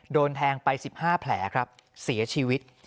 โดนแทงไป๑๕แผลครับเสียชีวิต